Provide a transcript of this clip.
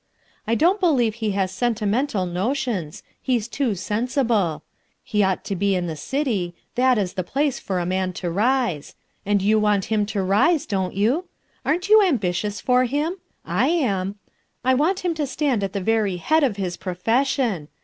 I don't believe be has sentimental notions; he is too sensible. He ought to be in the city; that is the place for a man to rise; and "SENTIMENTAL" PEOPLE 133 you want him to rise, don't you? Aren't you ambitious for him? I am. I want him to stand at the very head of his profession.